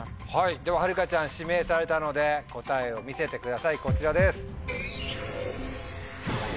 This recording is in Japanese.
でははるかちゃん指名されたので答えを見せてくださいこちらです。